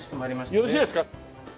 よろしいですか？